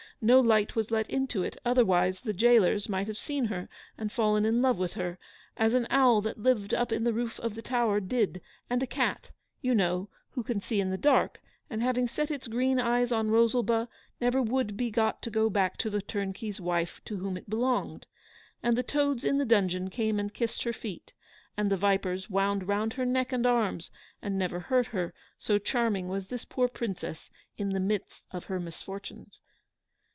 No light was let into it, otherwise the gaolers might have seen her and fallen in love with her, as an owl that lived up in the roof of the tower did, and a cat, you know, who can see in the dark, and having set its green eyes on Rosalba, never would be got to go back to the turnkey's wife to whom it belonged. And the toads in the dungeon came and kissed her feet, and the vipers wound round her neck and arms, and never hurt her, so charming was this poor Princess in the midst of her misfortunes.